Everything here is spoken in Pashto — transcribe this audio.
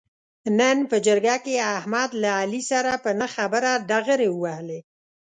نن په جرګه کې احمد له علي سره په نه خبره ډغرې و وهلې.